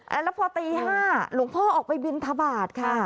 แล้วพอตี๕หลวงพ่อออกไปบินทบาทค่ะ